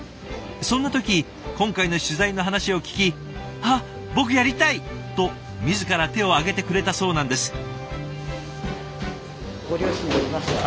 そんな時今回の取材の話を聞き「あっ僕やりたい！」と自ら手を挙げてくれたそうなんです。